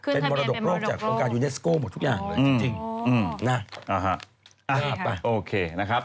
ขึ้นทะเบียนเป็นมรดกโลกจากองค์การยูเนสโก้หมดทุกอย่างเลยจริงอืมนะโอเคนะครับ